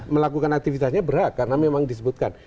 melakukan aktivitasnya berhak karena memang disebutkan